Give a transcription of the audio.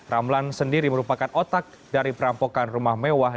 ramlan sendiri merupakan otak dari perampokan rumah mewah